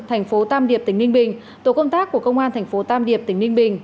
thành phố tam điệp tỉnh ninh bình tổ công tác của công an thành phố tam điệp tỉnh ninh bình